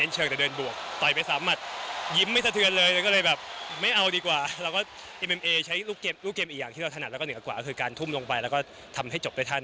ชนะไปได้ครับ